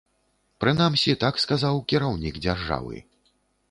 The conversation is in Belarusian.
Прынамсі, так сказаў кіраўнік дзяржавы.